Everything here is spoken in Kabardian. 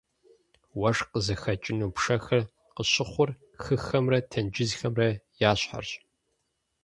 Уэшх къызыхэкӏыну пшэхэр къыщыхъур хыхэмрэ тенджызхэмрэ я щхьэрщ.